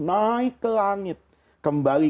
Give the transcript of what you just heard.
naik ke langit kembali